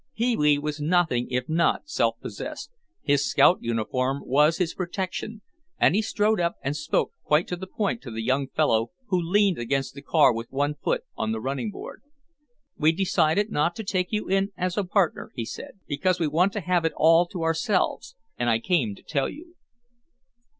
Pee wee was nothing if not self possessed, his scout uniform was his protection, and he strode up and spoke quite to the point to the young fellow who leaned against the car with one foot on the running board. "We decided not to take you in as a partner," he said, "because we want to have it all to ourselves and I came to tell you."